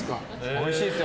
おいしいです。